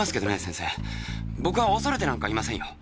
先生僕は恐れてなんかいませんよ。